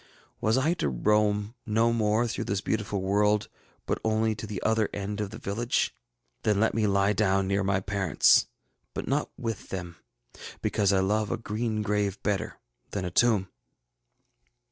Was I to roam no more through this beautiful world, but only to the other end of the village? Then let me lie down near my parents, but not with them, because I love a green grave better than a tomb.